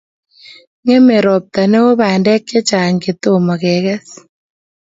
Ngemie robta neo bandek che chang' che tomo keges